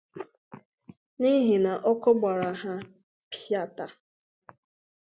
n'ihi na ọkụ gbara ha pịàtàà.